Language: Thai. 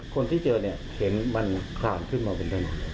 คนที่เจอเห็นมันขลาดขึ้นมาบนถนน